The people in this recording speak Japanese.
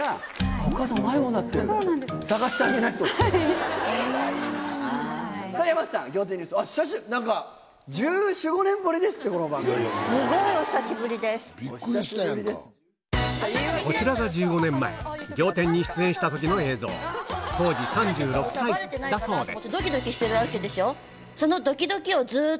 こちらが１５年前『仰天』に出演した時の映像当時３６歳だそうです